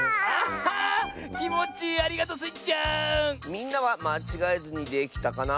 みんなはまちがえずにできたかな？